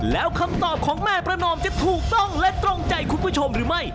แล้วคำตอบของแม่ประนอมจะถูกต้องและตรงใจคุณผู้ชมหรือไม่